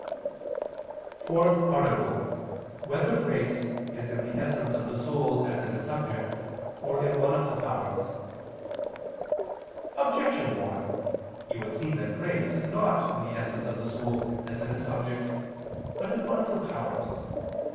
________________________ FOURTH ARTICLE [I II, Q. 110, Art. 4] Whether Grace Is in the Essence of the Soul As in a Subject, or in One of the Powers? Objection 1: It would seem that grace is not in the essence of the soul, as in a subject, but in one of the powers.